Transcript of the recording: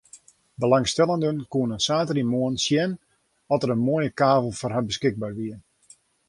Belangstellenden koene saterdeitemoarn sjen oft der in moaie kavel foar har beskikber wie.